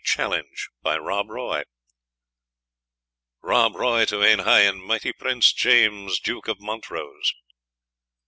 CHALLENGE BY ROB ROY. "Rob Roy to ain hie and mighty Prince, James Duke of Montrose.